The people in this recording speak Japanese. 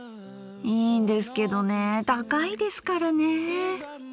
いいんですけどねぇ高いですからねぇ。